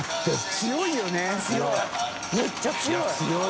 強いめっちゃ強い。）